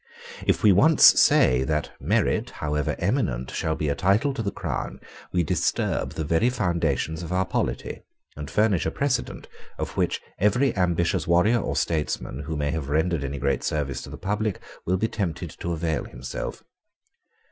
If we once say that, merit, however eminent, shall be a title to the crown, we disturb the very foundations of our polity, and furnish a precedent of which every ambitious warrior or statesman who may have rendered any great service to the public will be tempted to avail himself.